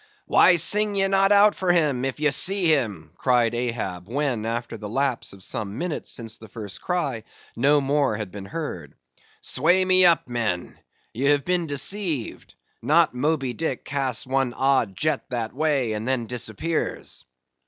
"Why sing ye not out for him, if ye see him?" cried Ahab, when, after the lapse of some minutes since the first cry, no more had been heard. "Sway me up, men; ye have been deceived; not Moby Dick casts one odd jet that way, and then disappears."